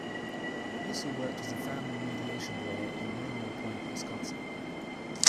He also worked as a family mediation lawyer in Mineral Point, Wisconsin.